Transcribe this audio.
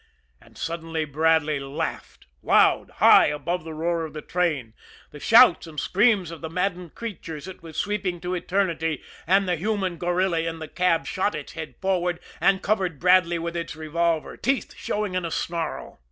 And suddenly Bradley laughed loud high above the roar of the train, the shouts and screams of the maddened creatures it was sweeping to eternity, and the human gorilla in the cab shot its head forward and covered Bradley with its revolver, teeth showing in a snarl.